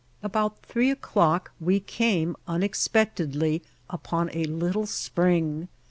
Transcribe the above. About three o'clock we came unexpectedly upon a little spring.